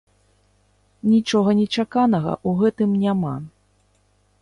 Нічога нечаканага ў гэтым няма.